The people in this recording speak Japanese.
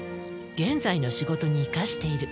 現在の仕事に生かしている。